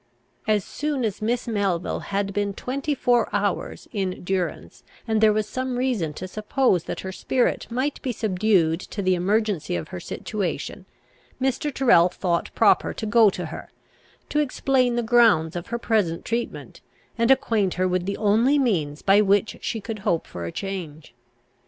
As soon as Miss Melville had been twenty four hours in durance, and there was some reason to suppose that her spirit might be subdued to the emergency of her situation, Mr. Tyrrel thought proper to go to her, to explain the grounds of her present treatment, and acquaint her with the only means by which she could hope for a change.